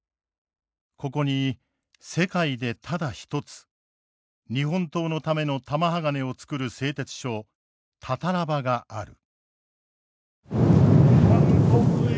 ここに世界でただ一つ日本刀のための玉鋼をつくる製鉄所たたら場がある。